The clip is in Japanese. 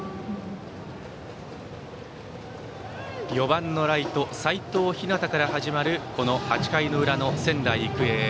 ４番のライト、齋藤陽から始まる８回の裏の仙台育英。